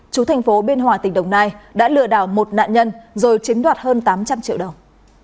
chú thành phố biên hòa tỉnh đồng nai đã lừa đảo một nạn nhân rồi chiếm đoạt hơn tám trăm linh triệu đồng